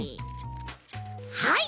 はい。